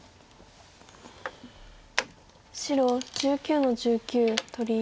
白１９の十九取り。